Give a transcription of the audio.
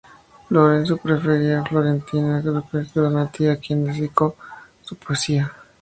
Lorenzo prefería a la florentina Lucrezia Donati, a quien dedicó su poesía.